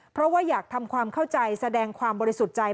เพราะว่าอยากทำความเข้าใจแสดงความบริสุทธิ์ใจ